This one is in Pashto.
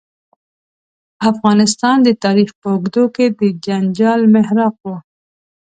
افغانستان د تاریخ په اوږدو کې د جنجال محراق و.